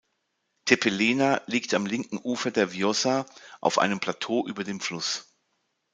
Tepelena liegt am linken Ufer der Vjosa auf einem Plateau über dem Fluss.